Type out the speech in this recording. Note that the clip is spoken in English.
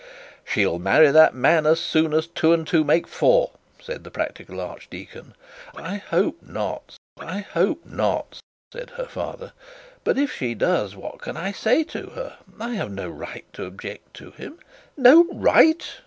'She'll marry that man as sure as two and two makes four,' said the practical archdeacon. 'I hope not, I hope not,' said the father. 'But if she does, what can I say to her? I have no right to object to him.' 'No right!'